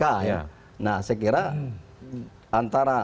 saya kira antara